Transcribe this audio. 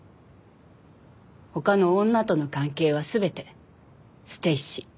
他の女との関係は全て捨て石。